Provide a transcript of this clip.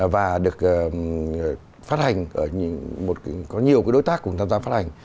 và được phát hành có nhiều đối tác cùng tham gia phát hành